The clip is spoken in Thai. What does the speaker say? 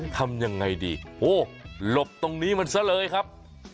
ทำยังไงดีโอ้หลบตรงนี้มันซะเลยครับ